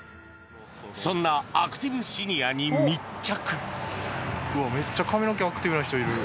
そんなアクティブシニアに密着